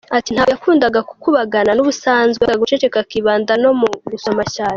Ati “Ntabwo yakundaga gukubagana, n’ubusanzwe yakundaga guceceka akibanda no mu gusoma cyane.